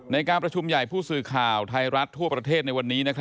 ในการประชุมใหญ่ผู้สื่อข่าวไทยรัฐทั่วประเทศในวันนี้